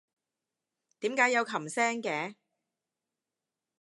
點解有琴聲嘅？